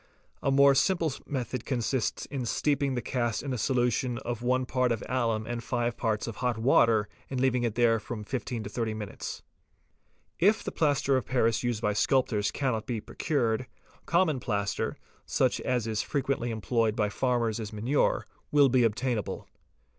A more simple method consists in steeping the cast in a solution of 1 part of alum and 5 parts of hot water and leaving it there for from 15 to 30 minutes®™), If the plaster of paris used by sculptors cannot be procured, common plaster, such as is frequently employed by farmers as manure, will be obtainable.